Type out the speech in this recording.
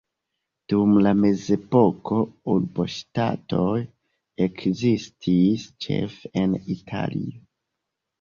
Dum la mezepoko urboŝtatoj ekzistis ĉefe en Italio.